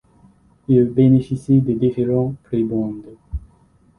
Il bénéficie de différentes prébendes.